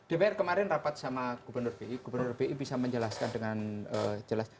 dpr kemarin rapat sama gubernur bi gubernur bi bisa menjelaskan dengan jelas